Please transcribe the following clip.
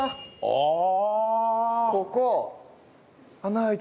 ああ。